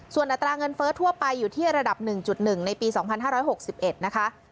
ส่วนอัตราเงินเฟ้อทั่วไปอยู่ที่ระดับหนึ่งจุดหนึ่งในปีสองพันห้าร้อยหกสิบเอ็ดนะคะ